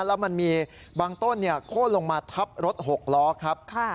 แล้วมันมีบางต้นเนี่ยโค้ดลงมาทับรถหกล้อครับค่ะ